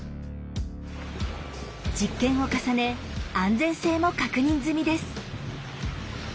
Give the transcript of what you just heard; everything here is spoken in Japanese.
実験を重ね安全性も確認済みです。